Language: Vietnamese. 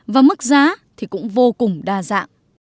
và mức giá thì cũng vô cùng đa dạng